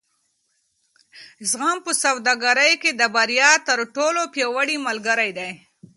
زغم په سوداګرۍ کې د بریا تر ټولو پیاوړی ملګری دی.